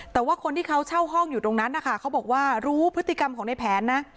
แต่ว่าคนที่เขาเช่าห้องอยู่ตรงนั้นนะคะเขาบอกว่ารู้พฤติกรรมของในแผนนะ